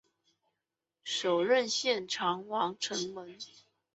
首任县长王成文。